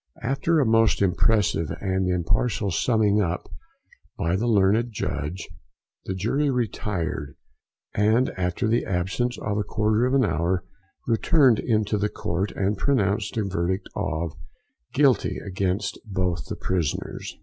After a most impressive and impartial summing up by the learned Judge, the jury retired, and, after the absence of a quarter of an hour, returned into court, and pronounced a verdict of "Guilty" against both the prisoners.